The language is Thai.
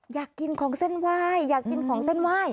อยากกินของเส้นไหว้